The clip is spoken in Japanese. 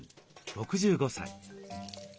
６５歳。